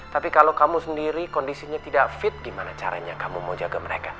tapi kalau kamu sendiri kondisinya tidak fit gimana caranya kamu mau jaga mereka